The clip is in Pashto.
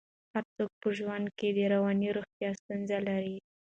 هر څوک په ژوند کې د رواني روغتیا ستونزه لري.